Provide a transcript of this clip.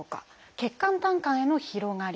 血管・胆管への広がり。